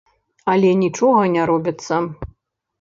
Але нічога не робіцца.